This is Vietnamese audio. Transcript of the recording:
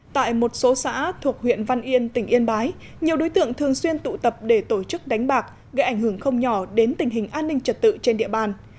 tại một số xã thuộc huyện văn yên tỉnh yên bái nhiều đối tượng thường xuyên tụ tập để tổ chức đánh bạc gây ảnh hưởng không nhỏ đến tình hình an ninh trật tự trên địa bàn